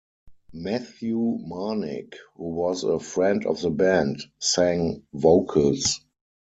Matthew Marnik, who was a friend of the band, sang vocals.